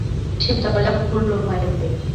সে দরজা খুলল ভয়ে ভয়ে।